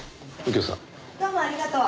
どうもありがとう。